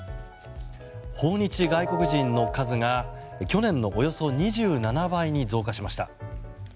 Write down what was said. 訪日外国人の数が、去年のおよそ２７倍に増加しました。